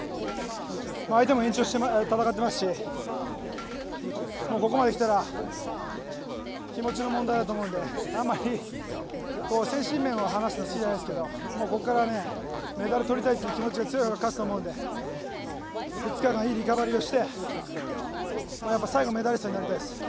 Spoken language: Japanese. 相手も延長して戦ってますし、もうここまで来たら、気持ちの問題だと思うので、あんまり精神面を話すの、好きじゃないですけど、もうここからね、メダルとりたいという気持ちが強いほうが勝つと思うので、２日間いいリカバリーをして、やっぱ最後、メダリストになりたいです。